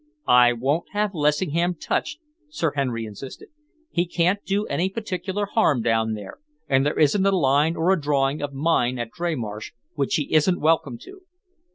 "I won't have Lessingham touched," Sir Henry insisted. "He can't do any particular harm down there, and there isn't a line or a drawing of mine down at Dreymarsh which he isn't welcome to."